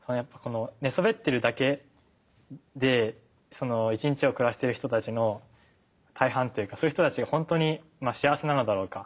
寝そべってるだけで１日を暮らしている人たちの大半っていうかそういう人たちはほんとに幸せなのだろうか。